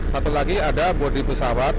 satu lagi ada bodi pesawat